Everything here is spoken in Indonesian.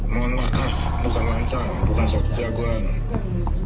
mohon maaf bukan lancar bukan soal kerja gue